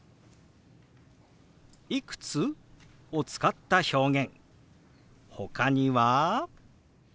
「いくつ？」を使った表現ほかには。